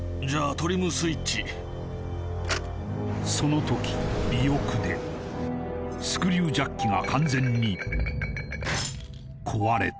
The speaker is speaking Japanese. トリムスイッチその時尾翼でスクリュージャッキが完全に壊れた